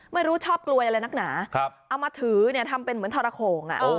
ไม่รู้ชอบกลวยอะไรนักหนาเอามาถือทำเป็นเหมือนทรโขง